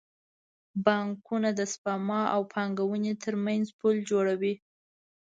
بانکونه د سپما او پانګونې ترمنځ پل جوړوي.